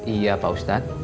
iya pak ustad